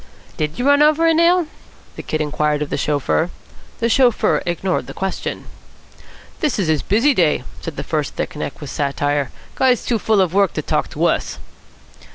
"Did you run over a nail?" the Kid inquired of the chauffeur. The chauffeur ignored the question. "This is his busy day," said the first thick neck with satire. "Guy's too full of work to talk to us."